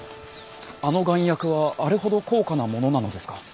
あの丸薬はあれほど高価なものなのですか？